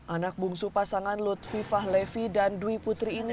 anak bungsu pasangan lutfi fahlevi dan dwi putri ini